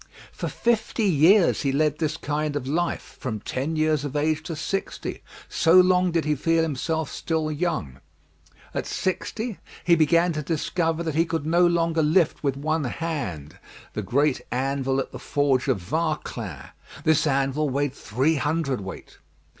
For fifty years he led this kind of life from ten years of age to sixty so long did he feel himself still young. At sixty, he began to discover that he could no longer lift with one hand the great anvil at the forge of Varclin. This anvil weighed three hundredweight.